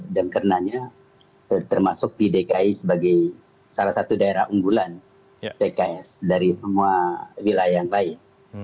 dan karenanya termasuk di dki sebagai salah satu daerah unggulan dki dari semua wilayah yang lain